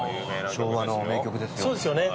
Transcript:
昭和の名曲ですよね。